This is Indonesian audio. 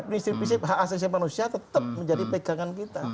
peneliti hak asasi manusia tetap menjadi pegangan kita